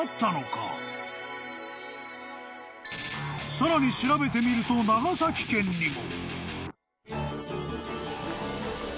［さらに調べてみると長崎県にも］